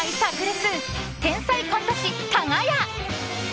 炸裂天才コント師、かが屋。